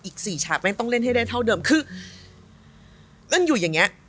อีก๔ฉากแม่งต้องเล่นให้ได้เท่าเดิมคือเล่นอยู่อย่างเงี้ย